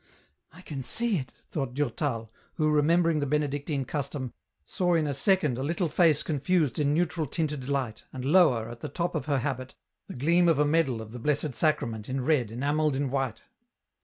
" I can see it," thought Durtal, who, remembering the Benedictine custom, saw in a second a little face confused in neutral tinted light, and lower, at the top of her habit, the gleam of a medal of the Blessed Sacrament in red enamelled in white.